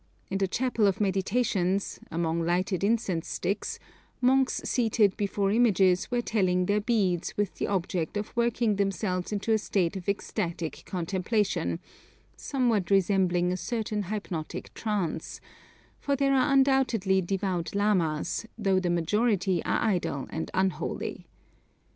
In the chapel of meditations, among lighted incense sticks, monks seated before images were telling their beads with the object of working themselves into a state of ecstatic contemplation (somewhat resembling a certain hypnotic trance), for there are undoubtedly devout lamas, though the majority are idle and unholy.